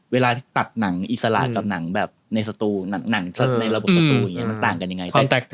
เวลาที่ตัดหนังอิสระกับหนังแบบในสตูหนังในระบบสตูอย่างนี้มันต่างกันยังไง